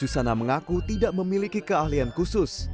susana mengaku tidak memiliki keahlian khusus